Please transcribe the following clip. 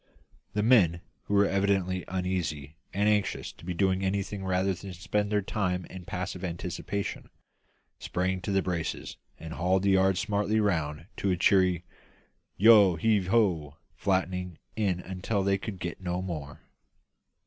The men, who were evidently uneasy, and anxious to be doing anything rather than spend their time in passive anticipation, sprang to the braces and hauled the yards smartly round to a cheery "Yo heave ho;" flattening in until they could get no more.